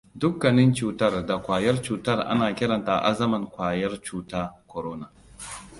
Dukkanin cutar da kwayar cutar ana kiranta azaman ƙwayar “cuta corona”